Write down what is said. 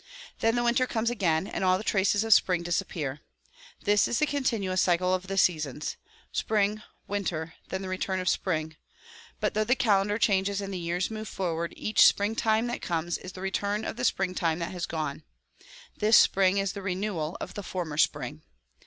Then the winter comes again and all the traces of spring disappear. This is the continuous cycle of the seasons, — spring, winter, then the return of spring; but though the calendar changes and the years move forward, each springtime that comes is the return of the springtime that lias gone ; this spring is the renewal of the former spring.